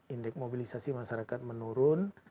indeks mobilisasi masyarakat menurun